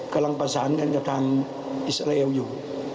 กำลังประสานกันกับทางอิสราเอลอยู่